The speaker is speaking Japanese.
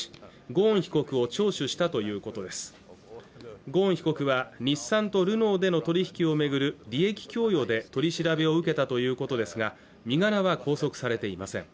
ゴーン被告は日産とルノーでの取引をめぐる利益供与で取り調べを受けたということですが身柄は拘束されていません